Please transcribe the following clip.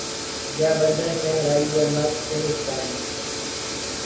یا بندہ صحرائی یا مرد کہستانی